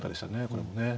これもね。